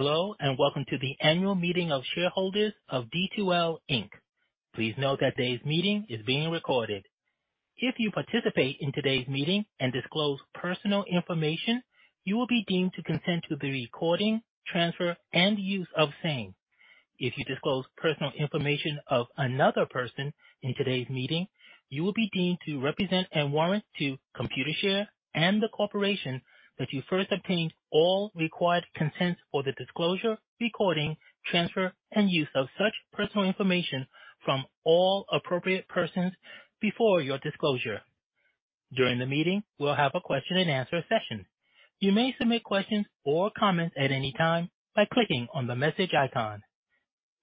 Hello, welcome to the annual meeting of shareholders of D2L Inc. Please note that today's meeting is being recorded. If you participate in today's meeting and disclose personal information, you will be deemed to consent to the recording, transfer, and use of same. If you disclose personal information of another person in today's meeting, you will be deemed to represent and warrant to Computershare and the corporation that you first obtained all required consents for the disclosure, recording, transfer, and use of such personal information from all appropriate persons before your disclosure. During the meeting, we'll have a question and answer session. You may submit questions or comments at any time by clicking on the message icon.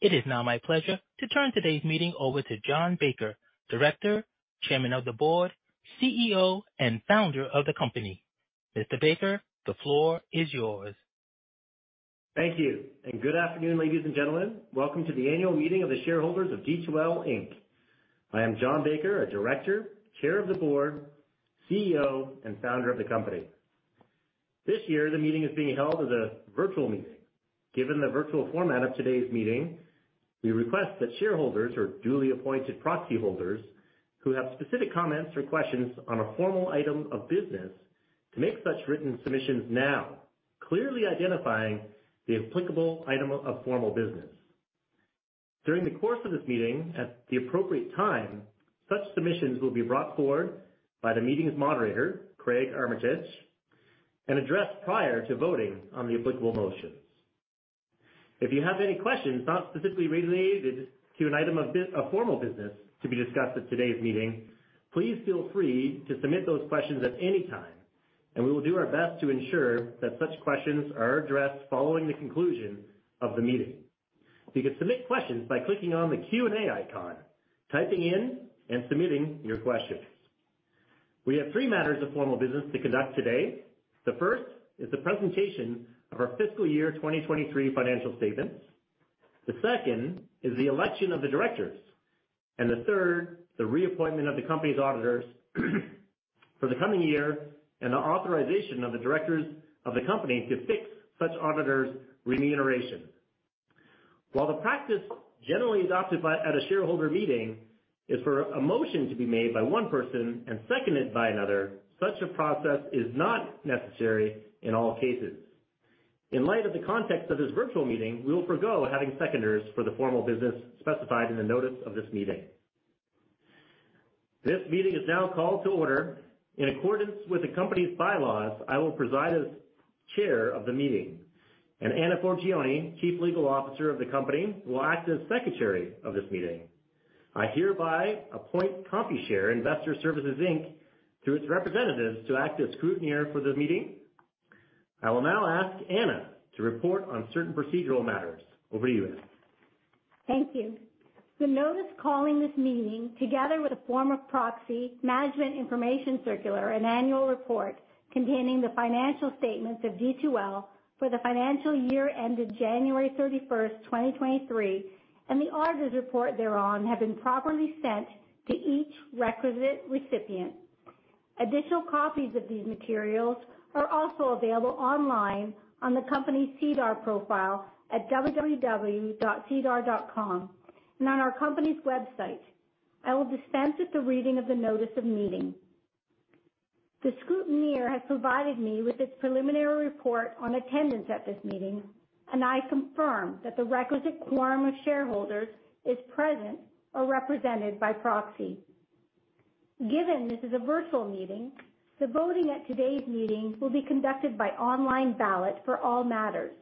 It is now my pleasure to turn today's meeting over to John Baker, Director, Chairman of the Board, CEO, and Founder of the company. Mr. Baker, the floor is yours. Thank you, and good afternoon, ladies and gentlemen. Welcome to the annual meeting of the shareholders of D2L Inc. I am John Baker, a Director, Chair of the Board, CEO, and Founder of the company. This year, the meeting is being held as a virtual meeting. Given the virtual format of today's meeting, we request that shareholders or duly appointed proxy holders who have specific comments or questions on a formal item of business to make such written submissions now, clearly identifying the applicable item of formal business. During the course of this meeting, at the appropriate time, such submissions will be brought forward by the meeting's moderator, Craig Armitage, and addressed prior to voting on the applicable motions. If you have any questions not specifically related to an item of a formal business to be discussed at today's meeting, please feel free to submit those questions at any time. We will do our best to ensure that such questions are addressed following the conclusion of the meeting. You can submit questions by clicking on the Q&A icon, typing in, and submitting your questions. We have three matters of formal business to conduct today. The first is the presentation of our fiscal year 2023 financial statements. The second is the election of the directors, and the third, the reappointment of the company's auditors for the coming year and the authorization of the directors of the company to fix such auditors' remuneration. While the practice generally adopted at a shareholder meeting is for a motion to be made by one person and seconded by another, such a process is not necessary in all cases. In light of the context of this virtual meeting, we will forgo having seconders for the formal business specified in the notice of this meeting. This meeting is now called to order. In accordance with the company's bylaws, I will preside as chair of the meeting, and Anna Forgione, Chief Legal Officer of the company, will act as secretary of this meeting. I hereby appoint Computershare Investor Services Inc. through its representatives, to act as scrutineer for this meeting. I will now ask Anna to report on certain procedural matters. Over to you, Anna. Thank you. The notice calling this meeting, together with a form of proxy, management information circular, and annual report containing the financial statements of D2L for the financial year ended January 31st, 2023, and the auditor's report thereon, have been properly sent to each requisite recipient. Additional copies of these materials are also available online on the company's SEDAR profile at www.sedar.com and on our company's website. I will dispense with the reading of the notice of meeting. The scrutineer has provided me with its preliminary report on attendance at this meeting, and I confirm that the requisite quorum of shareholders is present or represented by proxy. Given this is a virtual meeting, the voting at today's meeting will be conducted by online ballot for all matters.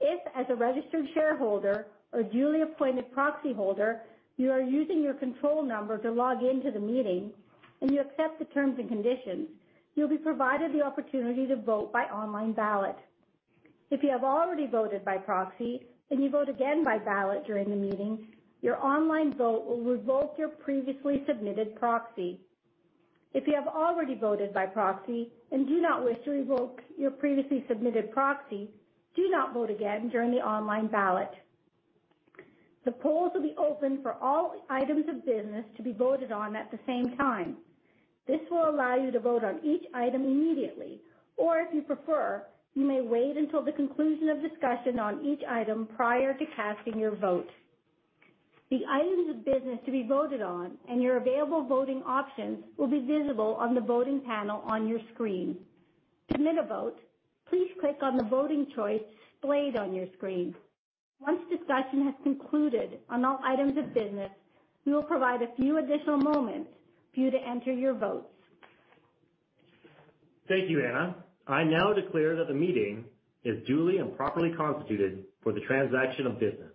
If, as a registered shareholder or duly appointed proxy holder, you are using your control number to log in to the meeting and you accept the terms and conditions, you'll be provided the opportunity to vote by online ballot. If you have already voted by proxy and you vote again by ballot during the meeting, your online vote will revoke your previously submitted proxy. If you have already voted by proxy and do not wish to revoke your previously submitted proxy, do not vote again during the online ballot. The polls will be open for all items of business to be voted on at the same time. This will allow you to vote on each item immediately, or if you prefer, you may wait until the conclusion of discussion on each item prior to casting your vote. The items of business to be voted on and your available voting options will be visible on the voting panel on your screen. To submit a vote, please click on the voting choice displayed on your screen. Once discussion has concluded on all items of business, we will provide a few additional moments for you to enter your votes. Thank you, Anna. I now declare that the meeting is duly and properly constituted for the transaction of business.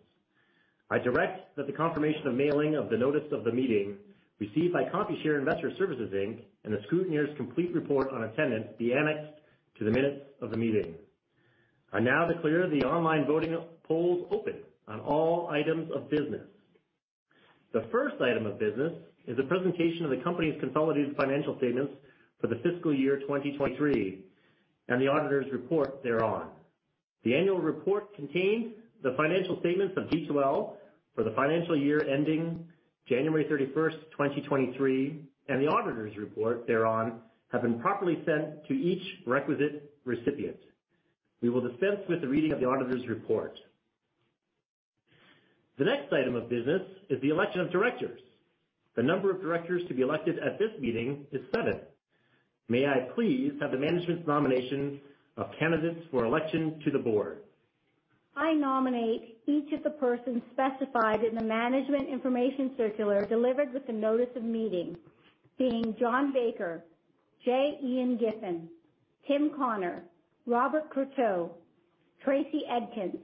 I direct that the confirmation of mailing of the notice of the meeting received by Computershare Investor Services Inc. and the scrutineer's complete report on attendance be annexed to the minutes of the meeting. I now declare the online voting polls open on all items of business. The first item of business is a presentation of the company's consolidated financial statements for the fiscal year 2023, and the auditor's report thereon. The financial statements of D2L for the financial year ending January 31st, 2023, and the auditor's report thereon have been properly sent to each requisite recipient. We will dispense with the reading of the auditor's report. The next item of business is the election of directors. The number of directors to be elected at this meeting is seven. May I please have the management's nomination of candidates for election to the board? I nominate each of the persons specified in the management information circular delivered with the notice of meeting, being John Baker, J. Ian Giffen, Tim Connor, Robert Courteau, Tracy Edkins,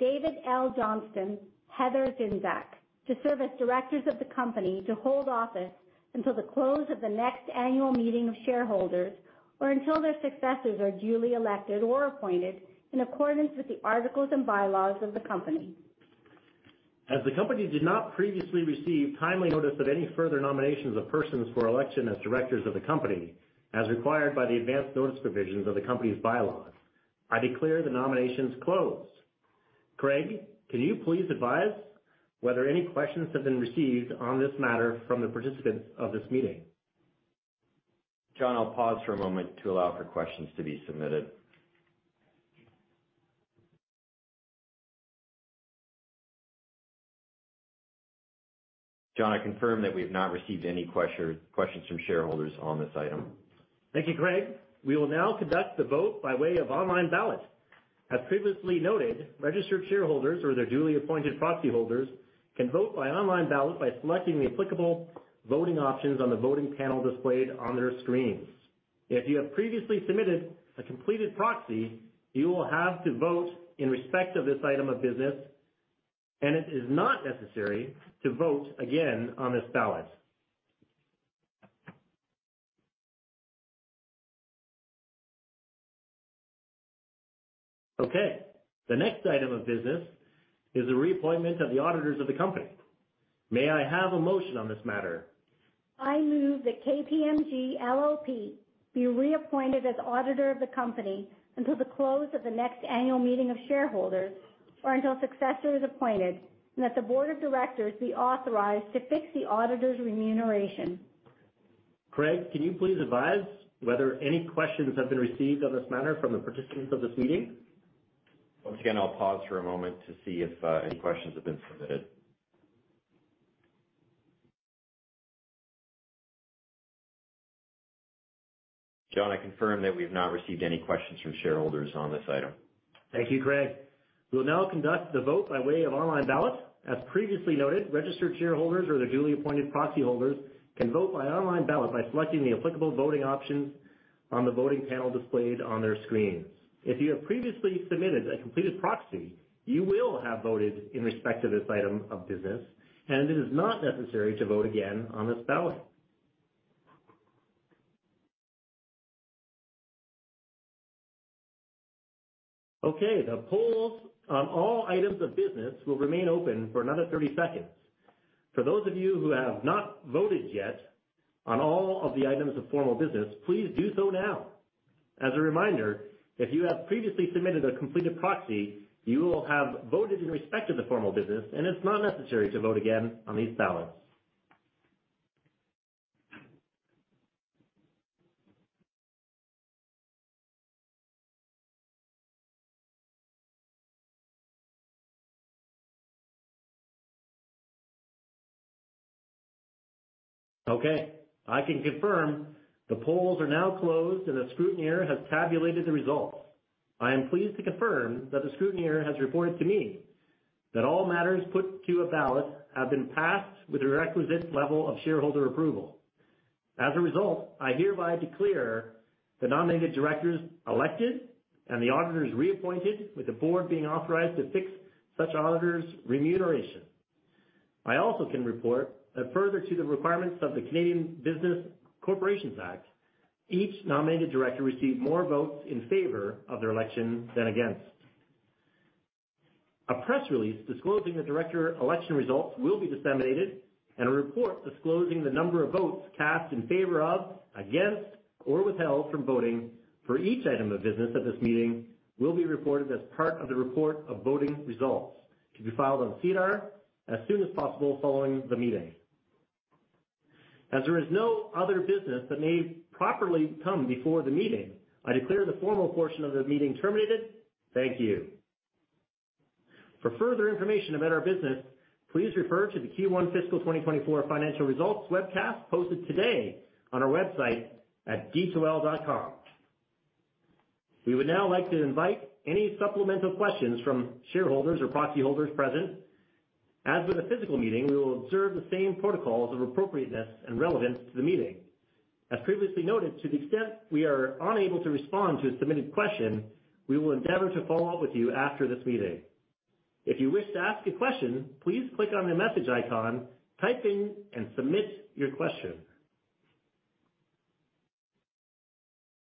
David L. Johnston, Heather Zynczak, to serve as directors of the company, to hold office until the close of the next annual meeting of shareholders, or until their successors are duly elected or appointed in accordance with the articles and bylaws of the company. As the company did not previously receive timely notice of any further nominations of persons for election as directors of the company, as required by the advanced notice provisions of the company's bylaws, I declare the nominations closed. Craig, can you please advise whether any questions have been received on this matter from the participants of this meeting? John, I'll pause for a moment to allow for questions to be submitted. John, I confirm that we have not received any questions from shareholders on this item. Thank you, Craig. We will now conduct the vote by way of online ballot. As previously noted, registered shareholders or their duly appointed proxy holders can vote by online ballot by selecting the applicable voting options on the voting panel displayed on their screens. If you have previously submitted a completed proxy, you will have to vote in respect of this item of business, and it is not necessary to vote again on this ballot. Okay, the next item of business is the reappointment of the auditors of the company. May I have a motion on this matter? I move that KPMG LLP be reappointed as auditor of the company until the close of the next annual meeting of shareholders, or until successor is appointed, and that the board of directors be authorized to fix the auditor's remuneration. Craig, can you please advise whether any questions have been received on this matter from the participants of this meeting? Once again, I'll pause for a moment to see if any questions have been submitted. John, I confirm that we've not received any questions from shareholders on this item. Thank you, Craig. We'll now conduct the vote by way of online ballot. As previously noted, registered shareholders or their duly appointed proxy holders can vote by online ballot by selecting the applicable voting options on the voting panel displayed on their screens. If you have previously submitted a completed proxy, you will have voted in respect to this item of business, and it is not necessary to vote again on this ballot. Okay, the polls on all items of business will remain open for another 30 seconds. For those of you who have not voted yet on all of the items of formal business, please do so now. As a reminder, if you have previously submitted a completed proxy, you will have voted in respect to the formal business, and it's not necessary to vote again on these ballots. Okay, I can confirm the polls are now closed, and the scrutineer has tabulated the results. I am pleased to confirm that the scrutineer has reported to me that all matters put to a ballot have been passed with the requisite level of shareholder approval. As a result, I hereby declare the nominated directors elected and the auditors reappointed, with the board being authorized to fix such auditors' remuneration. I also can report that further to the requirements of the Canada Business Corporations Act, each nominated director received more votes in favor of their election than against. A press release disclosing the director election results will be disseminated, and a report disclosing the number of votes cast in favor of, against, or withheld from voting for each item of business at this meeting will be reported as part of the report of voting results, to be filed on SEDAR as soon as possible following the meeting. As there is no other business that may properly come before the meeting, I declare the formal portion of the meeting terminated. Thank you. For further information about our business, please refer to the Q1 fiscal 2024 financial results webcast posted today on our website at d2l.com. We would now like to invite any supplemental questions from shareholders or proxy holders present. As with a physical meeting, we will observe the same protocols of appropriateness and relevance to the meeting. As previously noted, to the extent we are unable to respond to a submitted question, we will endeavor to follow up with you after this meeting. If you wish to ask a question, please click on the message icon, type in and submit your question.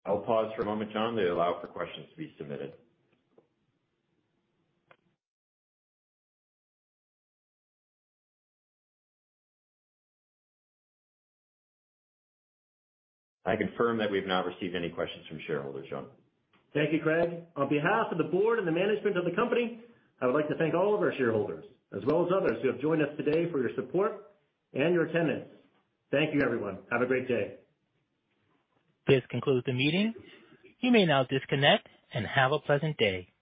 I'll pause for a moment, John, to allow for questions to be submitted. I confirm that we've not received any questions from shareholders, John. Thank you, Craig. On behalf of the board and the management of the company, I would like to thank all of our shareholders, as well as others who have joined us today, for your support and your attendance. Thank you, everyone. Have a great day. This concludes the meeting. You may now disconnect and have a pleasant day.